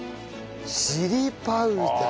チリパウダー。